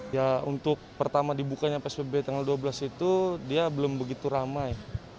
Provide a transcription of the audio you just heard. ya untuk pertama dibukanya psbb tanggal dua belas itu dia belum begitu ramai